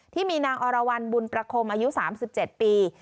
ที่มีนางอรวรรณบุญประคมอายุสามสิบเจ็ดปี